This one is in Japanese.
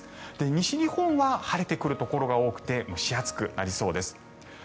西日本は晴れてくるところが多くて蒸し暑くなりそうです。